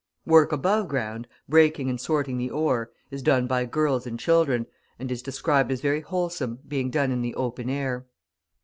Work above ground, breaking and sorting the ore, is done by girls and children, and is described as very wholesome, being done in the open air.